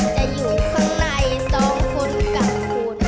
จะอยู่ข้างในสองคนกับคุณ